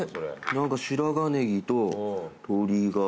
何か白髪ねぎと鶏が。